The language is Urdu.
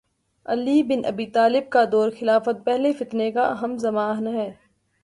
علی بن ابی طالب کا دور خلافت پہلے فتنے کا ہم زمان ہے